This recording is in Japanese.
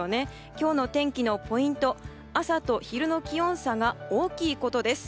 今日の天気のポイント朝と昼の気温差が大きいことです。